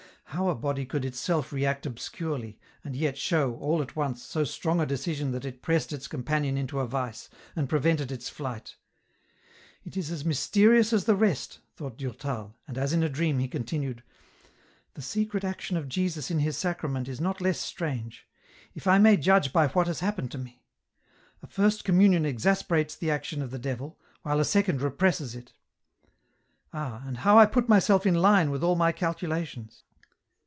How a body could itself react obscurely, and yet show, all at once, so strong a decision that it pressed its companion into a vice, and prevented its flight —" It is as mysterious as the rest," thought Durtal, and as in a dream he continued, " The secret action of Jesus in His Sacrament is not less strange. If I may judge by what has happened to me ; a first communion exasperates the action of the devil, while a second represses it. " Ah, and how I put myself in line with all my calcula tions